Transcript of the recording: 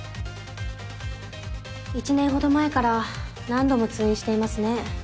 １年ほど前から何度も通院していますね。